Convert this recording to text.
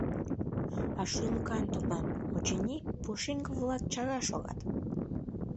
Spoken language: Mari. А шӱлыкан тудлан, очыни: пушеҥге-влак чара шогат.